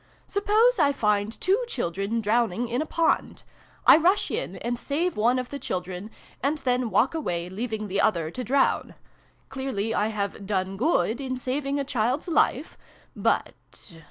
Suppose I find two children drowning in a pond. I rush in, and save one of the children, and then walk away, leaving the other to drown. Clearly I have 'done good,' in saving a child's life ? But